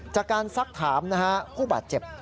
จากการซักถามนะฮะผู้บาดเจ็บ